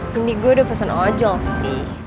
tinggi gue udah pesen ojol sih